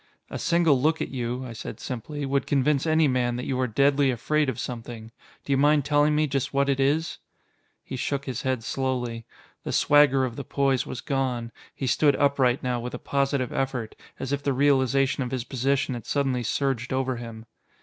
"A single look at you," I said simply, "would convince any man that you are deadly afraid of something. Do you mind telling me just what it is?" He shook his head slowly. The swagger of the poise was gone; he stood upright now with a positive effort, as if the realization of his position had suddenly surged over him.